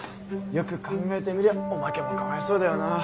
よく考えてみりゃおまけもかわいそうだよな。